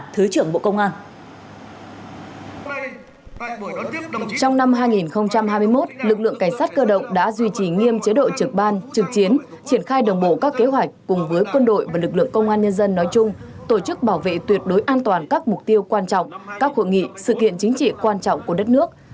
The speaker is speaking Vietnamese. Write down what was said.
trực chiến triển khai đồng bộ các kế hoạch cùng với quân đội và lực lượng công an nhân dân nói chung tổ chức bảo vệ tuyệt đối an toàn các mục tiêu quan trọng các hội nghị sự kiện chính trị quan trọng của đất nước